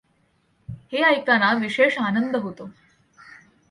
हे ऐकताना विशेष आनंद होतो.